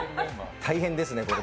大変ですね、これで。